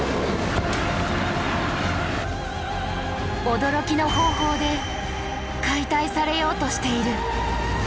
驚きの方法で解体されようとしている。